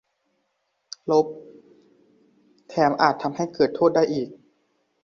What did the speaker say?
- แถมอาจทำให้เกิดโทษได้อีก